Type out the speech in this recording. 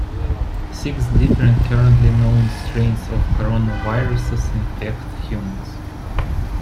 Six different currently known strains of coronaviruses infect humans.